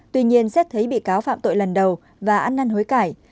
tuy nhiên xét thấy bị cáo phạm tội lần đầu và ăn năn hối cải